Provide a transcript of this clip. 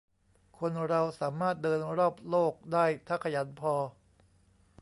คนเราสามารถเดินรอบโลกได้ ถ้าขยันพอ